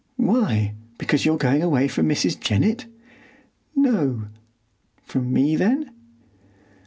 "Why? Because you're going away from Mrs. Jennett?" "No." "From me, then?"